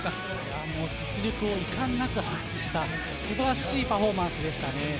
実力を遺憾なく発揮した、素晴らしいパフォーマンスでしたね。